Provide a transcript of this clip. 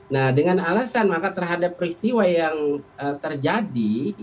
nah dengan alasan maka terhadap peristiwa yang terjadi